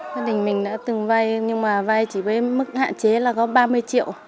của mình đã từng vay nhưng mà vay chỉ với mức hạn chế là góp ba mươi triệu